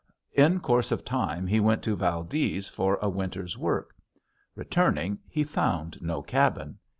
In course of time he went to Valdez for a winter's work. Returning, he found no cabin.